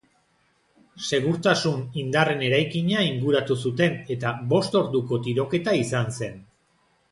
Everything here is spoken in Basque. Segurtasun indarren eraikina inguratu zuten eta bost orduko tiroketa izan zen.